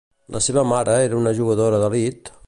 La seva mare era una jugadora d'elit?